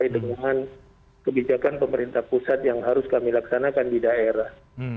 dengan kebijakan pemerintah pusat yang harus kami laksanakan di daerah